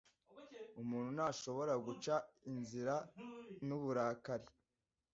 Umuntu ntashobora guca inzira nta burakari